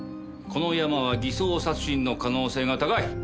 このヤマは偽装殺人の可能性が高い。